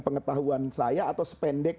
pengetahuan saya atau sependek